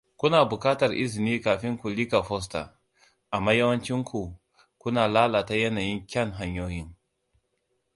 Kuna buƙatar izini kafin ku lika fosta, amma yawancinku, kuna lalata yanayin kyan hanyoyi!